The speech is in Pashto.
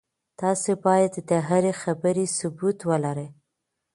تاسي باید د هرې خبرې ثبوت ولرئ.